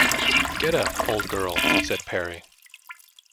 "Get up, old girl," said Parry.